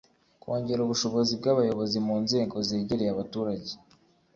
kongera ubushobozi bw abayobozi mu nzego zegereye abaturage